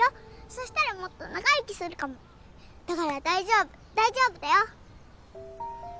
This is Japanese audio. そしたらもっと長生きするかもだから大丈夫大丈夫だよ！